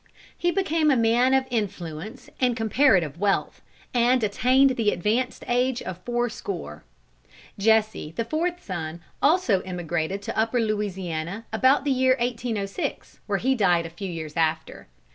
He became a man of influence and comparative wealth, and attained the advanced age of fourscore. Jesse, the fourth son, also emigrated to Upper Louisiana about the year 1806, where he died a few years after.